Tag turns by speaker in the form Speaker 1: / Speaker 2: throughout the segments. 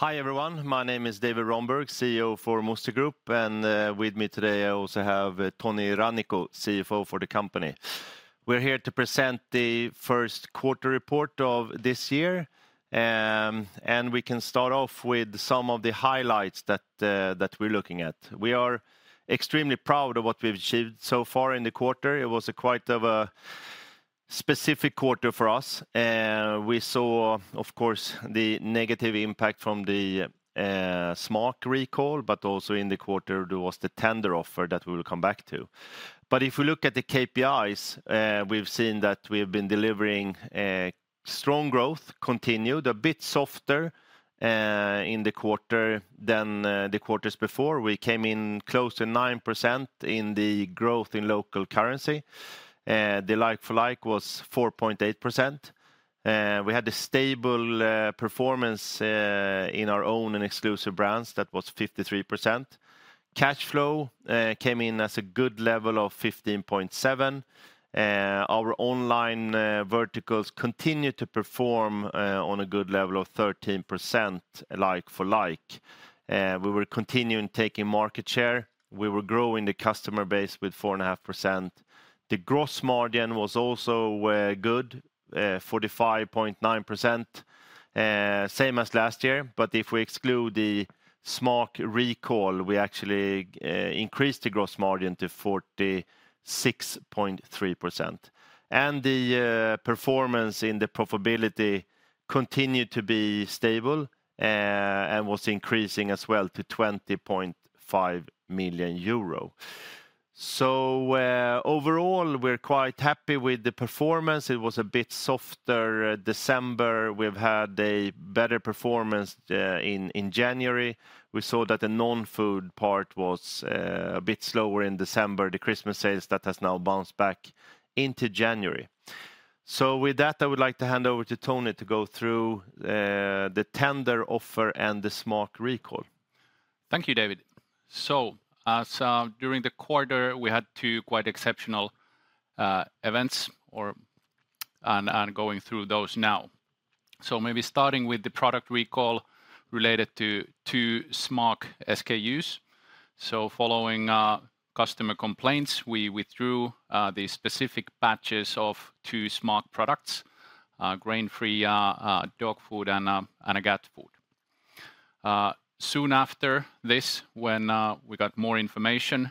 Speaker 1: Hi, everyone. My name is David Rönnberg, CEO for Musti Group, and with me today, I also have Toni Rannikko, CFO for the company. We're here to present the first quarter report of this year, and we can start off with some of the highlights that we're looking at. We are extremely proud of what we've achieved so far in the quarter. It was quite a specific quarter for us. We saw, of course, the negative impact from the Smaak recall, but also in the quarter, there was the tender offer that we will come back to. But if we look at the KPIs, we've seen that we've been delivering strong growth, continued, a bit softer in the quarter than the quarters before. We came in close to 9% in the growth in local currency, the like-for-like was 4.8%. We had a stable performance in our own and exclusive brands, that was 53%. Cash flow came in as a good level of 15.7 million. Our online verticals continued to perform on a good level of 13% like-for-like. We were continuing taking market share. We were growing the customer base with 4.5%. The gross margin was also good, 45.9%, same as last year. But if we exclude the Smaak recall, we actually increased the gross margin to 46.3%. The performance in the profitability continued to be stable and was increasing as well to 20.5 million euro. So, overall, we're quite happy with the performance. It was a bit softer December. We've had a better performance in January. We saw that the non-food part was a bit slower in December, the Christmas sales that has now bounced back into January. So with that, I would like to hand over to Toni to go through the tender offer and the Smaak recall.
Speaker 2: Thank you, David. So, as during the quarter, we had two quite exceptional events, and going through those now. So maybe starting with the product recall related to two Smaak SKUs. Following customer complaints, we withdrew the specific batches of two Smaak products, grain-free dog food and a cat food. Soon after this, when we got more information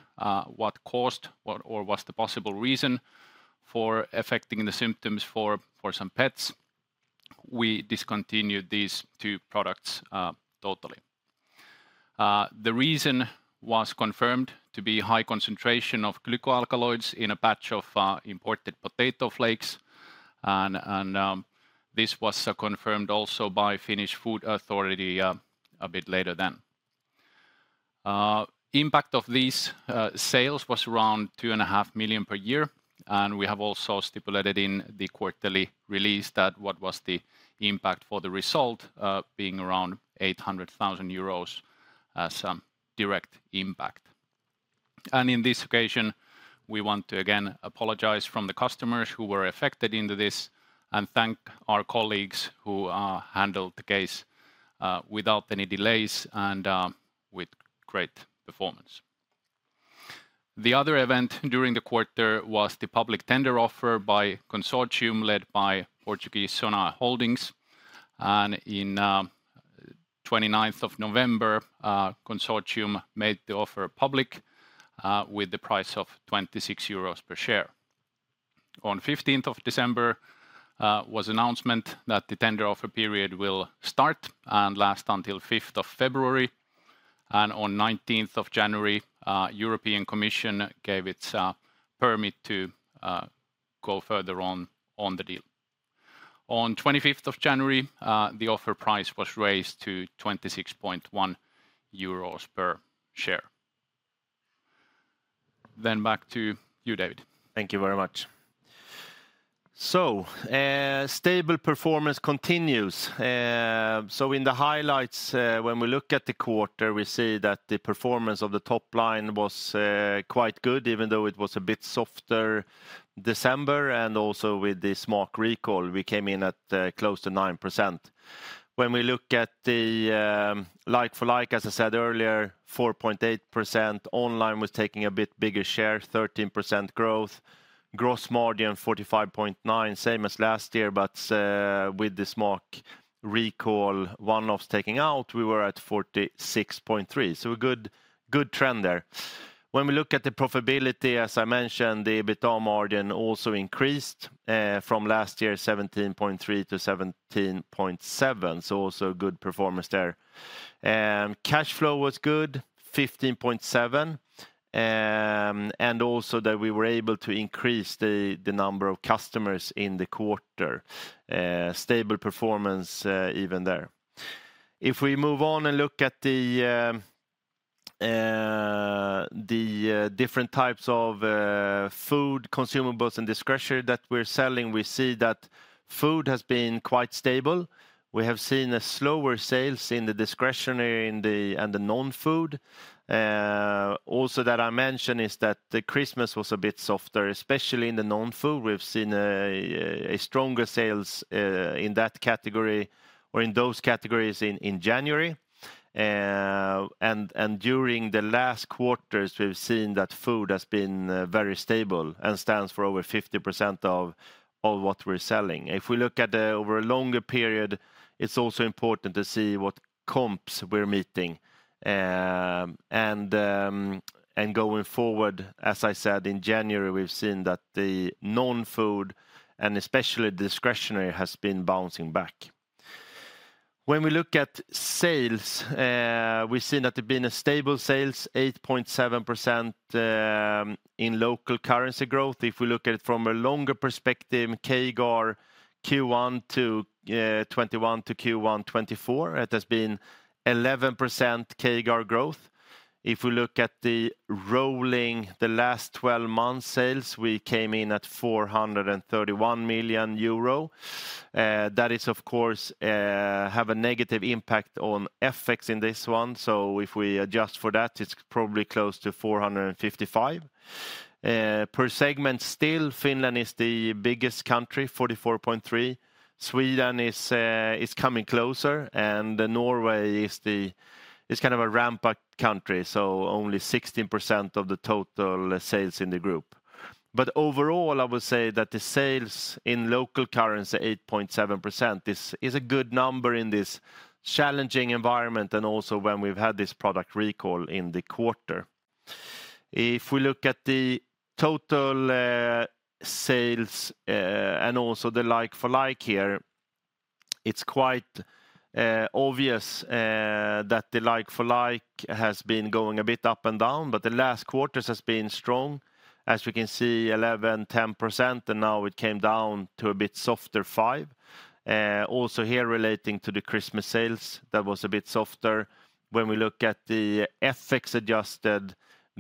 Speaker 2: what caused or what's the possible reason for affecting the symptoms for some pets, we discontinued these two products totally. The reason was confirmed to be high concentration of glycoalkaloids in a batch of imported potato flakes, and this was confirmed also by Finnish Food Authority a bit later then. Impact of these sales was around 2.5 million per year, and we have also stipulated in the quarterly release that what was the impact for the result being around 800,000 euros as direct impact. In this occasion, we want to again apologize from the customers who were affected into this, and thank our colleagues who handled the case without any delays and with great performance. The other event during the quarter was the public tender offer by consortium led by Portuguese Sonae Holdings, and in 29th of November, a consortium made the offer public with the price of 26 euros per share. On 15th of December, was announcement that the tender offer period will start and last until 5th of February, and on 19th of January, European Commission gave its permit to go further on the deal. On 25th of January, the offer price was raised to 26.1 euros per share. Then back to you, David.
Speaker 1: Thank you very much. So, stable performance continues. So in the highlights, when we look at the quarter, we see that the performance of the top line was, quite good, even though it was a bit softer December, and also with the Smaak recall, we came in at, close to 9%. When we look at the, like-for-like, as I said earlier, 4.8% online was taking a bit bigger share, 13% growth. Gross margin, 45.9, same as last year, but, with the Smaak recall, one-offs taking out, we were at 46.3. So a good, good trend there. When we look at the profitability, as I mentioned, the EBITDA margin also increased, from last year, 17.3 to 17.7, so also a good performance there. Cash flow was good, 15.7, and also that we were able to increase the number of customers in the quarter, stable performance, even there. If we move on and look at the different types of food, consumables, and discretionary that we're selling, we see that food has been quite stable. We have seen slower sales in the discretionary and the non-food. Also that I mentioned is that the Christmas was a bit softer, especially in the non-food. We've seen stronger sales in that category or in those categories in January. And during the last quarters, we've seen that food has been very stable and stands for over 50% of what we're selling. If we look at over a longer period, it's also important to see what comps we're meeting. Going forward, as I said, in January, we've seen that the non-food, and especially discretionary, has been bouncing back. When we look at sales, we've seen that there's been a stable sales, 8.7% in local currency growth. If we look at it from a longer perspective, CAGR Q1 2021 to Q1 2024, it has been 11% CAGR growth. If we look at the rolling last 12 months sales, we came in at 431 million euro. That is, of course, have a negative impact on FX in this one, so if we adjust for that, it's probably close to 455 million. Per segment still, Finland is the biggest country, 44.3. Sweden is coming closer, and Norway is the... It's kind of a ramp-up country, so only 16% of the total sales in the group. But overall, I would say that the sales in local currency, 8.7%, is a good number in this challenging environment and also when we've had this product recall in the quarter. If we look at the total sales and also the like-for-like here, it's quite obvious that the like-for-like has been going a bit up and down, but the last quarters has been strong. As we can see, 11%, 10%, and now it came down to a bit softer 5%. Also here, relating to the Christmas sales, that was a bit softer. When we look at the FX-adjusted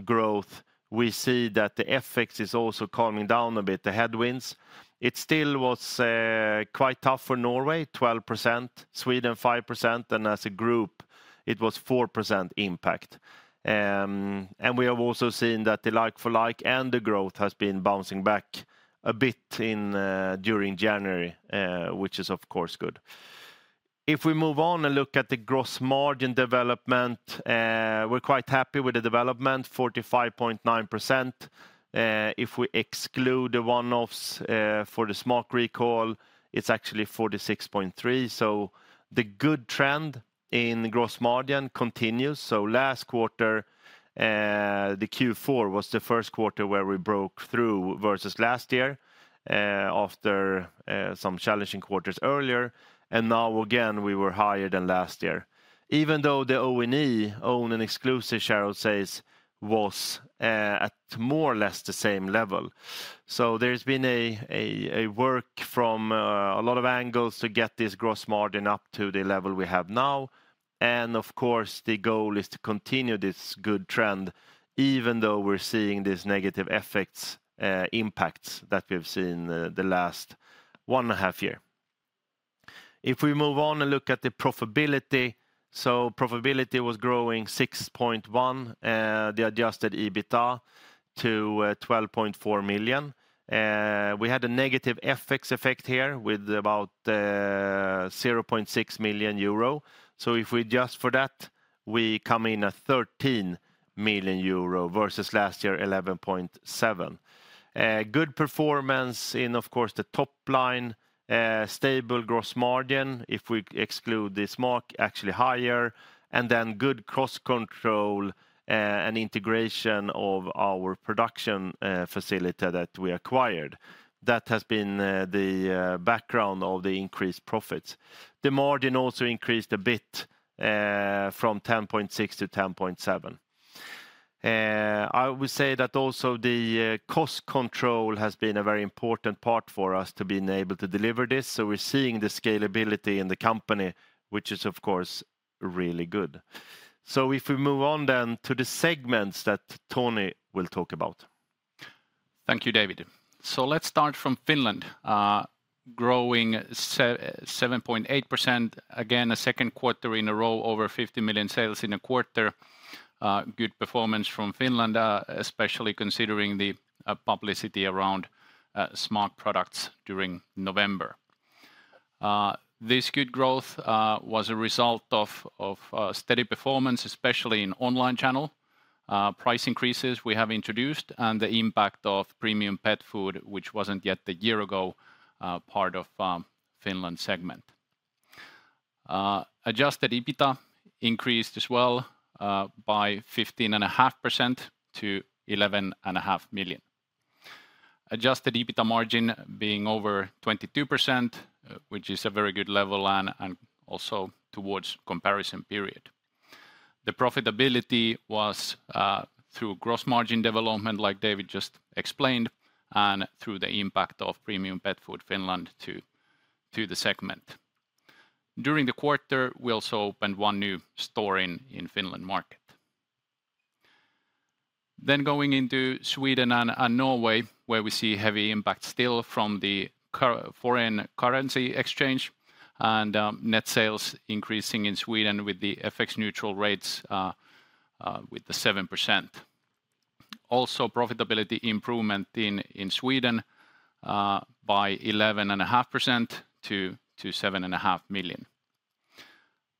Speaker 1: growth, we see that the FX is also calming down a bit, the headwinds. It still was quite tough for Norway, 12%, Sweden, 5%, and as a group, it was 4% impact. And we have also seen that the like-for-like and the growth has been bouncing back a bit in during January, which is of course good. If we move on and look at the gross margin development, we're quite happy with the development, 45.9%. If we exclude the one-offs for the Smaak recall, it's actually 46.3%. So the good trend in gross margin continues. So last quarter, the Q4 was the first quarter where we broke through versus last year, after some challenging quarters earlier, and now again, we were higher than last year. Even though the O&E, own and exclusive share holds, was at more or less the same level. So there's been a work from a lot of angles to get this gross margin up to the level we have now. And of course, the goal is to continue this good trend, even though we're seeing this negative effects, impacts that we've seen the last one and a half year. If we move on and look at the profitability, so profitability was growing 6.1, the adjusted EBITDA to 12.4 million. We had a negative FX effect here with about 0.6 million euro. So if we adjust for that, we come in at 13 million euro versus last year, 11.7 million. Good performance in, of course, the top line, stable gross margin. If we exclude the Smaak, actually higher, and then good cost control, and integration of our production facility that we acquired. That has been the background of the increased profits. The margin also increased a bit, from 10.6% to 10.7%. I would say that also the cost control has been a very important part for us to being able to deliver this. So we're seeing the scalability in the company, which is, of course, really good. So if we move on then to the segments that Toni will talk about.
Speaker 2: Thank you, David. So let's start from Finland. Growing 7.8%, again, a second quarter in a row, over 50 million sales in a quarter. Good performance from Finland, especially considering the publicity around Smaak products during November. This good growth was a result of steady performance, especially in online channel, price increases we have introduced, and the impact of Premium Pet Food, which wasn't yet a year ago part of Finland segment. Adjusted EBITDA increased as well by 15.5% to 11.5 million. Adjusted EBITDA margin being over 22%, which is a very good level and also towards comparison period. The profitability was through gross margin development, like David just explained, and through the impact of Premium Pet Food Finland to the segment. During the quarter, we also opened one new store in Finland market. Then going into Sweden and Norway, where we see heavy impact still from the foreign currency exchange, and net sales increasing in Sweden with the FX neutral rates with the 7%. Also, profitability improvement in Sweden by 11.5% to EUR 7.5 million.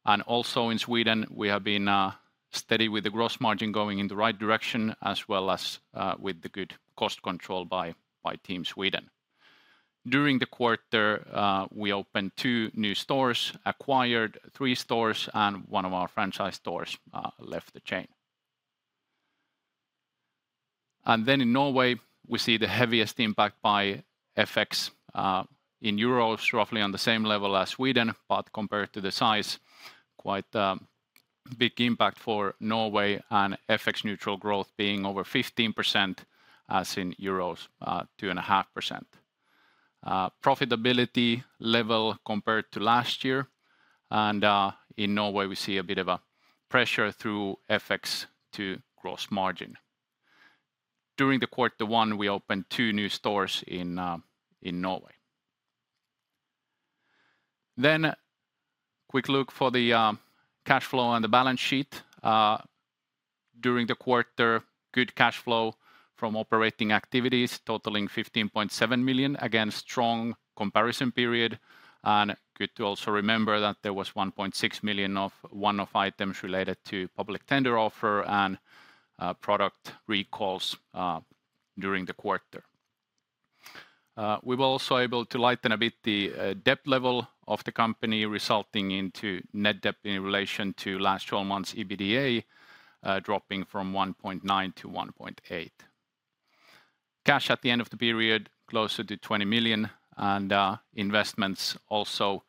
Speaker 2: In Sweden, we have been steady with the gross margin going in the right direction, as well as with the good cost control by team Sweden. During the quarter, we opened two new stores, acquired three stores, and one of our franchise stores left the chain. Then in Norway, we see the heaviest impact by FX in euros, roughly on the same level as Sweden, but compared to the size, quite a big impact for Norway and FX neutral growth being over 15%, as in euros 2.5%. Profitability level compared to last year, and in Norway, we see a bit of a pressure through FX to gross margin. During the quarter one, we opened two new stores in Norway. Then, quick look for the cash flow and the balance sheet. During the quarter, good cash flow from operating activities totaling 15.7 million. Again, strong comparison period, and good to also remember that there was 1.6 million of one-off items related to public tender offer and product recalls during the quarter. We were also able to lighten a bit the debt level of the company, resulting into net debt in relation to last 12 months EBITDA dropping from 1.9 to 1.8. Cash at the end of the period closer to 20 million, and investments also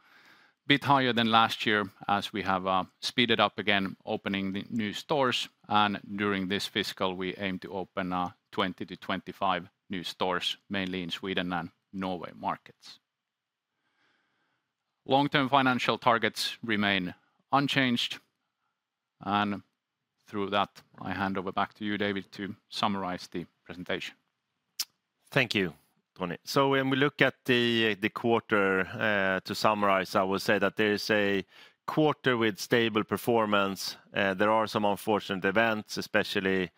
Speaker 2: a bit higher than last year, as we have speeded up again, opening the new stores, and during this fiscal, we aim to open 20-25 new stores, mainly in Sweden and Norway markets. Long-term financial targets remain unchanged, and through that, I hand over back to you, David, to summarize the presentation.
Speaker 1: Thank you, Toni. So when we look at the quarter, to summarize, I will say that there is a quarter with stable performance. There are some unfortunate events, especially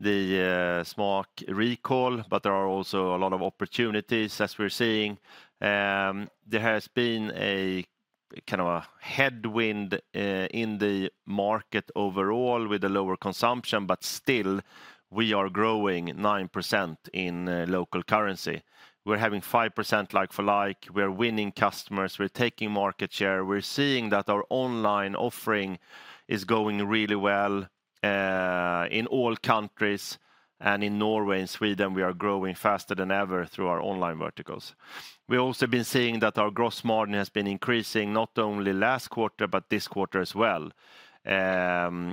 Speaker 1: the Smaak recall, but there are also a lot of opportunities, as we're seeing. There has been a kind of a headwind in the market overall with the lower consumption, but still, we are growing 9% in local currency. We're having 5% like for like. We're winning customers. We're taking market share. We're seeing that our online offering is going really well in all countries, and in Norway and Sweden, we are growing faster than ever through our online verticals. We've also been seeing that our gross margin has been increasing, not only last quarter, but this quarter as well.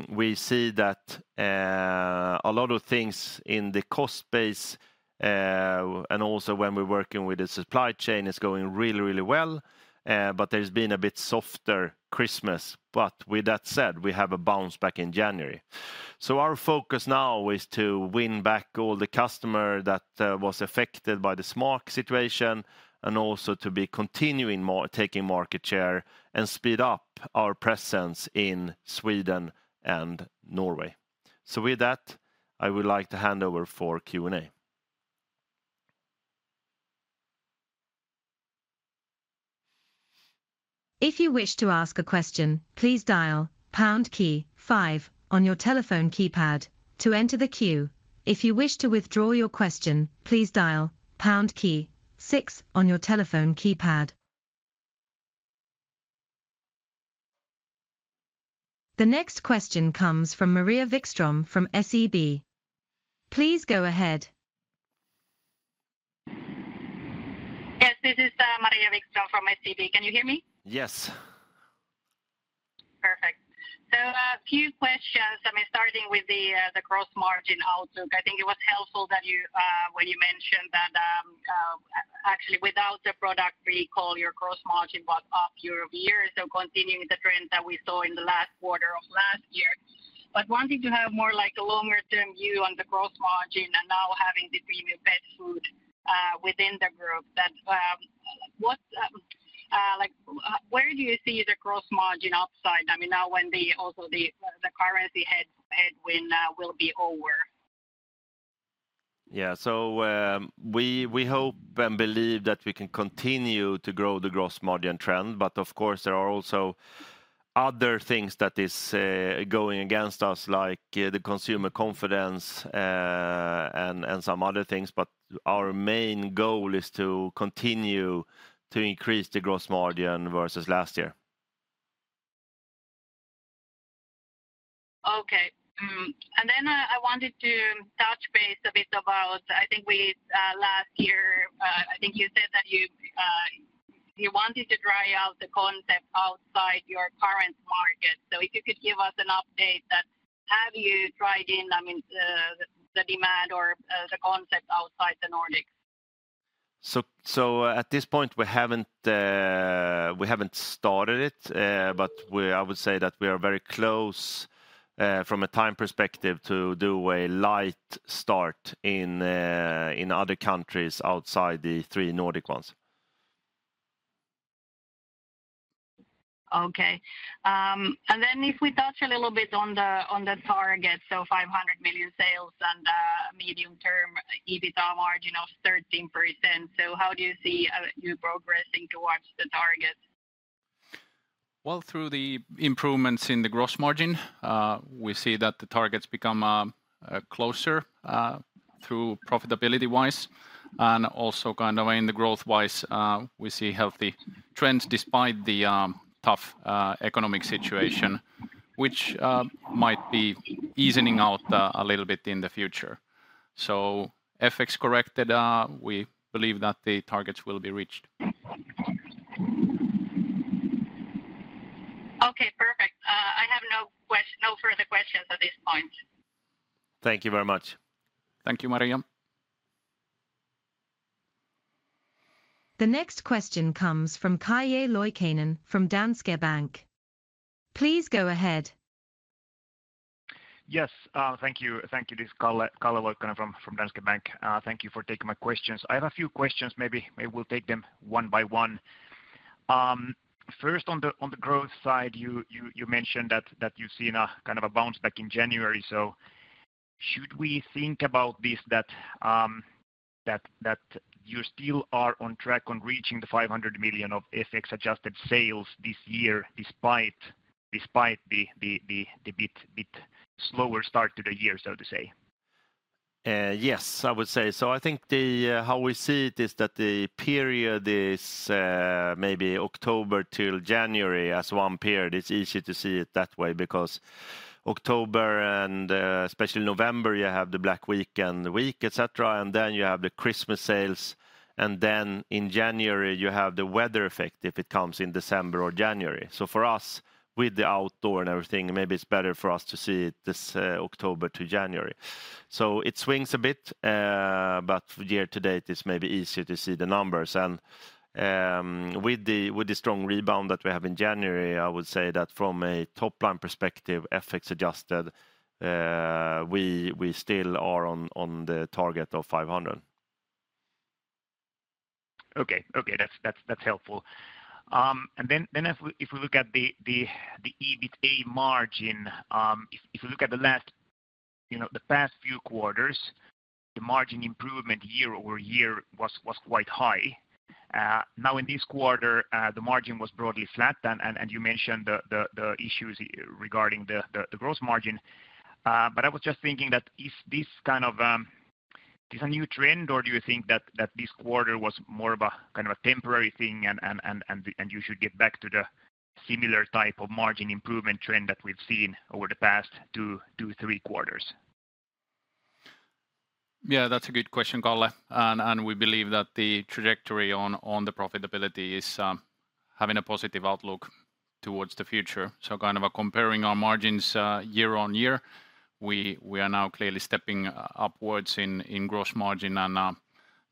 Speaker 1: We see that a lot of things in the cost base and also when we're working with the supply chain is going really, really well, but there's been a bit softer Christmas. But with that said, we have a bounce back in January. So our focus now is to win back all the customer that was affected by the Smaak situation, and also to be continuing taking market share and speed up our presence in Sweden and Norway. So with that, I would like to hand over for Q&A.
Speaker 3: If you wish to ask a question, please dial pound key five on your telephone keypad to enter the queue. If you wish to withdraw your question, please dial pound key six on your telephone keypad. The next question comes from Maria Wikström from SEB. Please go ahead.
Speaker 4: Yes, this is Maria Wikström from SEB. Can you hear me?
Speaker 1: Yes.
Speaker 4: Perfect. So a few questions, I mean, starting with the gross margin outlook. I think it was helpful that you, when you mentioned that, actually, without the product recall, your gross margin was up year-over-year, so continuing the trend that we saw in the last quarter of last year. But wanting to have more like a longer-term view on the gross margin and now having the Premium Pet Food within the group, that, what, like, where do you see the gross margin upside? I mean, now when also the currency headwind will be over.
Speaker 1: Yeah. We hope and believe that we can continue to grow the gross margin trend, but of course, there are also other things that is going against us, like, the consumer confidence, and some other things. But our main goal is to continue to increase the gross margin versus last year.
Speaker 4: Okay. And then, I wanted to touch base a bit about... I think we last year, I think you said that you wanted to try out the concept outside your current market. So if you could give us an update that, have you tried in, I mean, the demand or, the concept out-...
Speaker 1: So at this point, we haven't started it, but I would say that we are very close from a time perspective to do a light start in other countries outside the three Nordic ones.
Speaker 4: Okay. And then if we touch a little bit on the target, so 500 million sales and medium term, EBITA margin of 13%. So how do you see you progressing towards the target?
Speaker 2: Well, through the improvements in the gross margin, we see that the targets become closer through profitability-wise, and also kind of in the growth-wise, we see healthy trends despite the tough economic situation, which might be easing out a little bit in the future. So FX corrected, we believe that the targets will be reached.
Speaker 4: Okay, perfect. I have no further questions at this point.
Speaker 1: Thank you very much.
Speaker 2: Thank you, Maria.
Speaker 3: The next question comes from Calle Loikkanen from Danske Bank. Please go ahead.
Speaker 5: Yes, thank you. Thank you. This is Calle Loikkanen from Danske Bank. Thank you for taking my questions. I have a few questions, maybe we'll take them one by one. First, on the growth side, you mentioned that you've seen a kind of a bounce back in January. So should we think about this, that you still are on track on reaching 500 million of FX-adjusted sales this year, despite the bit slower start to the year, so to say?
Speaker 1: Yes, I would say so. I think the how we see it is that the period is maybe October till January as one period. It's easy to see it that way, because October and especially November, you have the Black Week and the week, et cetera, and then you have the Christmas sales, and then in January, you have the weather effect, if it comes in December or January. So for us, with the outdoor and everything, maybe it's better for us to see it this October to January. So it swings a bit but year to date, it's maybe easier to see the numbers. And with the with the strong rebound that we have in January, I would say that from a top-line perspective, FX adjusted, we we still are on on the target of 500.
Speaker 5: Okay. Okay, that's helpful. And then if we look at the EBIT a margin, if we look at the last, you know, the past few quarters, the margin improvement year-over-year was quite high. Now, in this quarter, the margin was broadly flat, and you mentioned the issues regarding the gross margin. But I was just thinking, is this kind of a new trend, or do you think that this quarter was more of a kind of a temporary thing, and you should get back to the similar type of margin improvement trend that we've seen over the past two to three quarters?
Speaker 2: Yeah, that's a good question, Calle. And we believe that the trajectory on the profitability is having a positive outlook towards the future. So kind of a comparing our margins year-on-year, we are now clearly stepping upwards in gross margin, and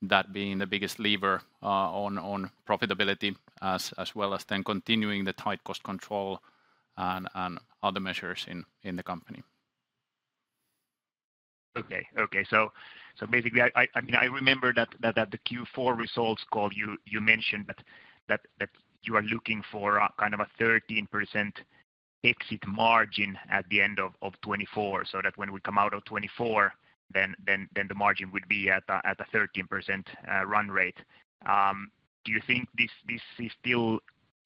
Speaker 2: that being the biggest lever on profitability, as well as then continuing the tight cost control and other measures in the company.
Speaker 5: Okay, so basically, I mean, I remember that in the Q4 results call you mentioned that you are looking for a kind of a 13% exit margin at the end of 2024, so that when we come out of 2024, then the margin would be at a 13% run rate. Do you think this is still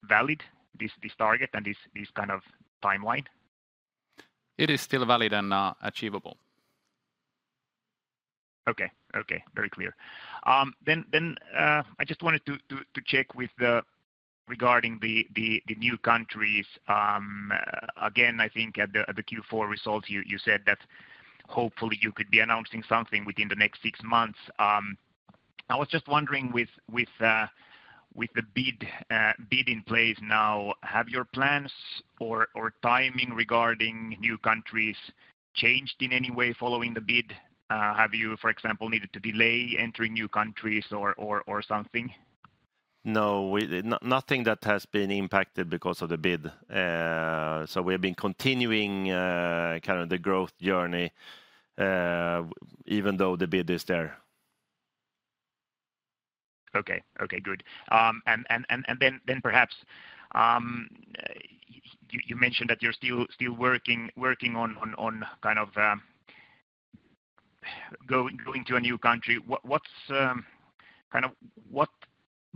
Speaker 5: valid, this target and this kind of timeline?
Speaker 2: It is still valid and achievable.
Speaker 5: Okay. Okay, very clear. Then, I just wanted to check with the... regarding the new countries. Again, I think at the Q4 results, you said that hopefully you could be announcing something within the next six months. I was just wondering with the bid in place now, have your plans or timing regarding new countries changed in any way following the bid? Have you, for example, needed to delay entering new countries or something?
Speaker 1: No, nothing that has been impacted because of the bid. So we have been continuing kind of the growth journey, even though the bid is there.
Speaker 5: Okay. Okay, good. And then perhaps you mentioned that you're still working on kind of going to a new country. What kind of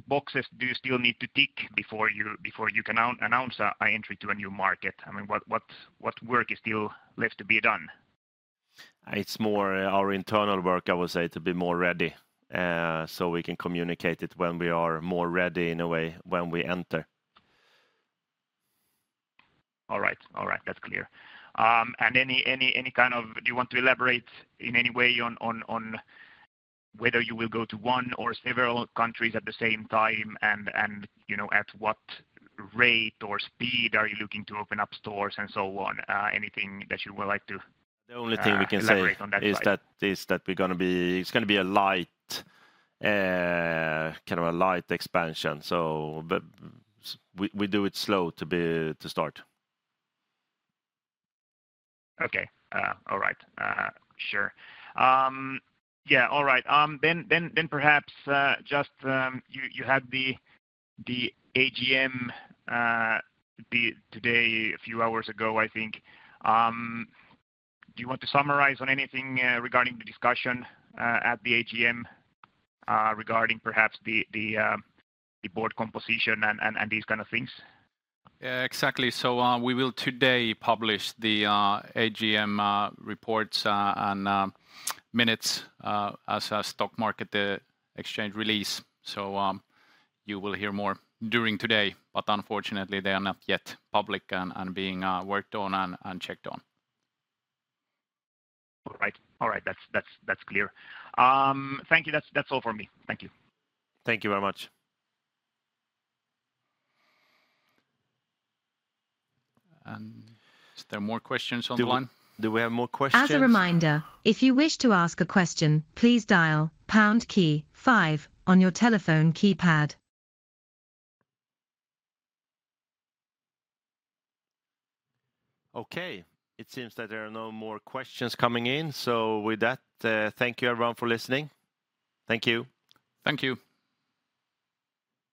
Speaker 5: boxes do you still need to tick before you can announce an entry to a new market? I mean, what work is still left to be done?
Speaker 1: It's more our internal work, I would say, to be more ready, so we can communicate it when we are more ready in a way when we enter.
Speaker 5: All right. All right, that's clear. Do you want to elaborate in any way on whether you will go to one or several countries at the same time, and you know, at what rate or speed are you looking to open up stores and so on? Anything that you would like to.
Speaker 1: The only thing we can say.
Speaker 5: Elaborate on that slide.
Speaker 1: Is that we're gonna be, it's gonna be a light kind of a light expansion, so but we, we do it slow to be to start.
Speaker 5: Okay. All right. Sure. Yeah, all right. Then perhaps just, you had the AGM today, a few hours ago, I think. Do you want to summarize on anything regarding the discussion at the AGM regarding perhaps the board composition and these kind of things?
Speaker 2: Yeah, exactly. We will today publish the AGM reports and minutes as a Stock Market Exchange release. You will hear more during today, but unfortunately, they are not yet public and being worked on and checked on.
Speaker 5: All right. All right, that's clear. Thank you. That's all for me. Thank you.
Speaker 1: Thank you very much.
Speaker 2: Is there more questions on the line?
Speaker 1: Do we have more questions?
Speaker 3: As a reminder, if you wish to ask a question, please dial pound key five on your telephone keypad.
Speaker 1: Okay. It seems that there are no more questions coming in. So with that, thank you everyone for listening. Thank you.
Speaker 2: Thank you.